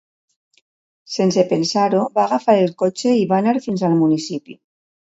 Sense pensar-ho, va agafar el cotxe i va anar fins al municipi.